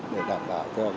để đảm bảo